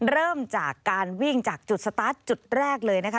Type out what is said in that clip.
เริ่มจากการวิ่งจากจุดสตาร์ทจุดแรกเลยนะคะ